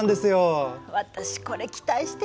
私これ期待してんのよ。